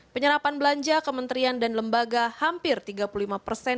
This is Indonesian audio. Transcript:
penyerapan belanja kementerian dan lembaga hampir tiga puluh lima persen